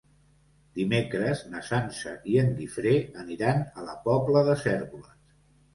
Dimecres na Sança i en Guifré aniran a la Pobla de Cérvoles.